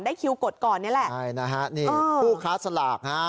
คิวกดก่อนนี่แหละใช่นะฮะนี่ผู้ค้าสลากฮะ